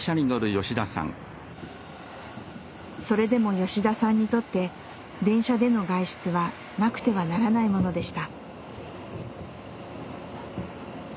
それでも吉田さんにとって電車での外出はなくてはならないものでした。